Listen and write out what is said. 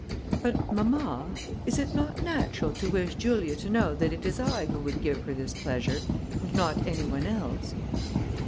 "But, mamma, is it not natural to wish Julia to know that it is I who would give her this pleasure, and not any one else?"